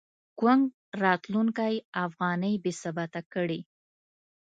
ګونګ راتلونکی افغانۍ بې ثباته کړې.